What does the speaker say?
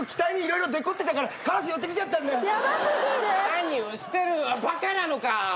何をしてるバカなのか。